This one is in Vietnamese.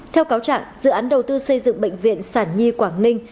theo cáo trạng dự án đầu tư xây dựng bệnh viện sản nhi quảng ninh